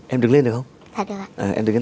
em đứng lên được không